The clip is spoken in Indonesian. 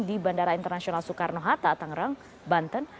di bandara internasional soekarno hatta tangerang banten